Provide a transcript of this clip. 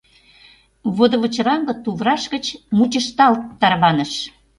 Водывычыраҥге тувраш гыч мучышталт тарваныш.